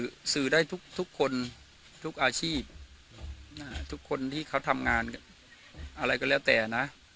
มันสื่อได้ทุกคนทุกอาชีพทุกคนที่ทำงาน